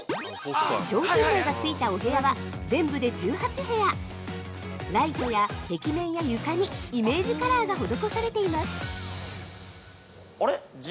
◆商品名がついたお部屋は全部で１８部屋、ライトや壁面や床にイメージカラーが施されています。